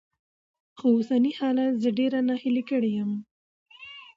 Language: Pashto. خو اوسني حالات زه ډېره ناهيلې کړې يم.